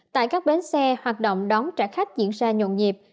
tại các bến xe hoạt động đón trả khách diễn ra nhộn nhịp